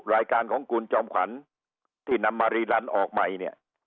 รายการของคุณจอมขวัญที่นำมารีรันออกใหม่เนี่ย